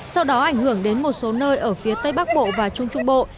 sau đó ảnh hưởng đến một số nơi ở phía tây bắc bộ và trung trung bộ